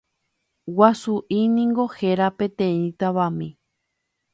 Guasu'y niko héra peteĩ tavami.